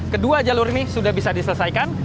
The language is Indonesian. kedua jalur ini sudah bisa diselesaikan